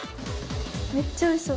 めっちゃおいしそう。